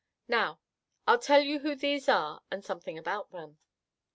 Now, I'll tell you who these are and something about them."